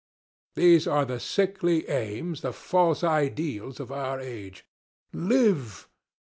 These are the sickly aims, the false ideals, of our age. Live!